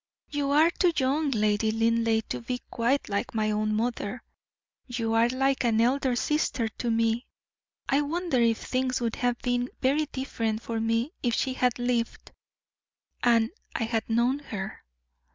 "You are too young, Lady Linleigh, to be quite like my own mother; you are like an elder sister to me. I wonder if things would have been very different for me if she had lived, and I had known her?"